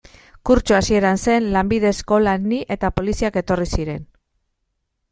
Kurtso hasiera zen, lanbide eskolan ni, eta poliziak etorri ziren.